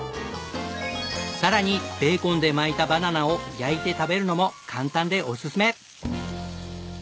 さらにベーコンで巻いたバナナを焼いて食べるのも簡単でおすすめ！